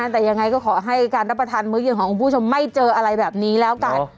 แต่ยังไงก็ขอให้การรับประทานมื้อเย็นของคุณผู้ชมไม่เจออะไรแบบนี้แล้วกัน